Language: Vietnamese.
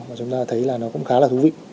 và chúng ta thấy là nó cũng khá là thú vị